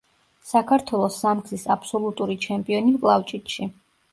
საქართველოს სამგზის აბსოლუტური ჩემპიონი მკლავჭიდში.